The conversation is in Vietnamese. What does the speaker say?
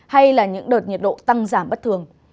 hay là những đợt nhiệt độ tăng giảm bất thường